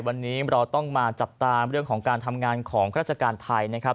วันนี้เราต้องมาจับตามเรื่องของการทำงานของราชการไทยนะครับ